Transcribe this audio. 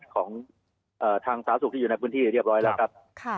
ของทางสาธารณสุขที่อยู่ในพื้นที่เรียบร้อยแล้วครับ